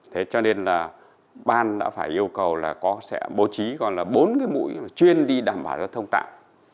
thế cho nên là ban đã phải yêu cầu là có sẽ bố trí còn là bốn cái mũi chuyên đi đảm bảo cho thông tạm